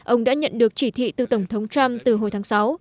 ông đã nhận được chỉ thị từ tổng thống trump từ hồi tháng sáu